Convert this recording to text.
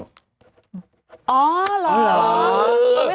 มันเหรอ